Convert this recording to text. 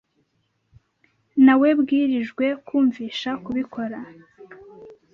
Nawebwirijwe kumvisha kubikora.